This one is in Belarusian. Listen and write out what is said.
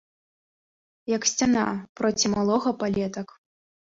Як сцяна, проці малога палетак.